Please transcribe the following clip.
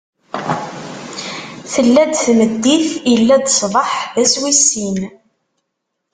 Tella-d tmeddit, illa-d ṣṣbeḥ: d ass wis sin.